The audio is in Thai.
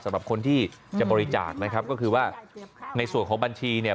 สำหรับคนที่จะบริจาคนะครับก็คือว่าในส่วนของบัญชีเนี่ย